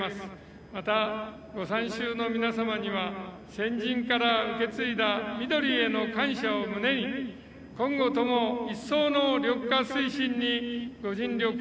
またご参集の皆様には先人から受け継いだ緑への感謝を胸に今後とも一層の緑化推進にご尽力をお願い申し上げます。